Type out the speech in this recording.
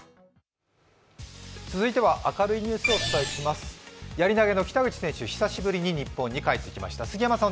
続いては明るいニュースをお伝えしますやり投げの北口選手、久しぶりに日本に帰ってきました。